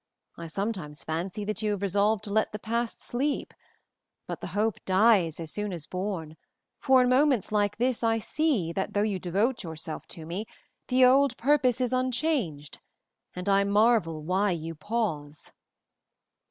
I sometimes fancy that you have resolved to let the past sleep, but the hope dies as soon as born, for in moments like this I see that, though you devote yourself to me, the old purpose is unchanged, and I marvel why you pause."